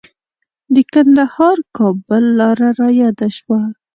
د کندهار-کابل لاره رایاده شوه.